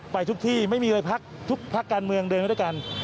ไปทุกที่ไม่มีเลยพักทุกพักการเมืองเดินมาด้วยกัน